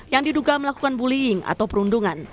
yang diduga melakukan bullying atau perundungan